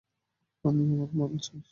আমি আমার মাল চাই।